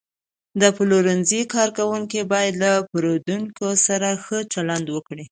د پلورنځي کارکوونکي باید له پیرودونکو سره ښه چلند وکړي.